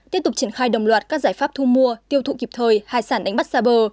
tiếp tục triển khai đồng loạt các giải pháp thu mua tiêu thụ kịp thời hải sản đánh bắt xa bờ